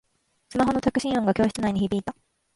スマホの着信音が教室内に響いた